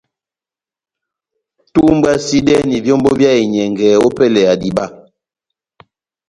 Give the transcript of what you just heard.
Tumbwasidɛ vyómbo vyá enyɛngɛ opɛlɛ ya diba.